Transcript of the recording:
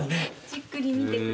じっくり見てください。